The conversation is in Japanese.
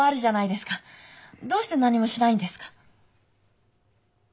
どうして何もしないんですか？